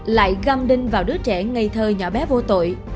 lại găm đinh vào đứa trẻ ngây thơ nhỏ bé vô tội